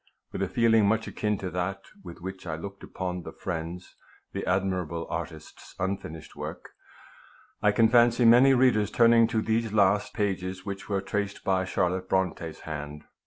With a feeling much akin to that with which I looked upon the friend's the admirable artist's unfinished work, I can fancy many readers turning to these the last pages which wore traced by Charlotte Bronte's hand.